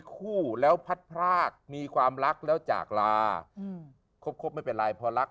คู่แล้วพัดพรากมีความรักแล้วจากลาครบครบไม่เป็นไรพอรัก